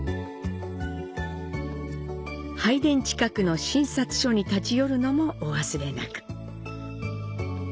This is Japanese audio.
拝殿近くの「神札所」に立ち寄るのもお忘れなく。